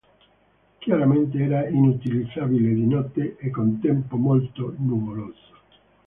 Chiaramente era inutilizzabile di notte e con tempo molto nuvoloso.